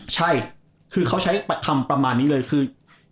ใช่คือเขาใช้ทำประมาณนี้เลยคือ